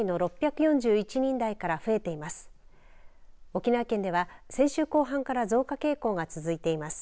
沖縄県では先週後半から増加傾向が続いています。